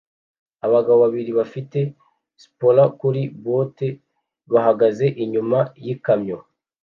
Abagabo babiri bafite spurs kuri bote bahagaze inyuma yikamyo